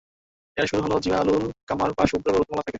এর শুরু হলো জিবালুল কামার বা শুভ্র পর্বতমালা থেকে।